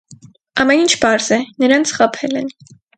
Ամեն ինչ պարզ է. նրանց խաբել են։